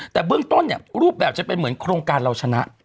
แต่เบื้องต้นเนี่ยรูปแบบจะเป็นเหมือนโครงการเราชนะ